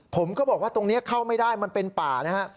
ผมก็บอกว่าตรงนี้เข้าไม่ได้มันเป็นป่านะฮะ